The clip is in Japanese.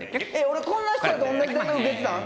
俺こんな人と同じ大学受けてたん？